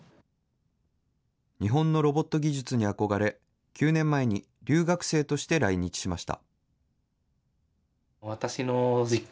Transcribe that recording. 日本のロボット技術に憧れ、９年前に留学生として来日しました。